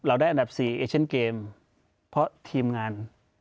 ได้อันดับ๔เอเชนเกมเพราะทีมงาน